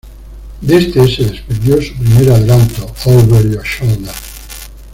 De este se desprendió su primer adelanto, "Over Your Shoulder".